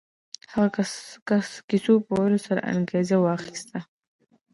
هغه د کيسو په ويلو سره انګېزه واخيسته.